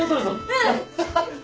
うん！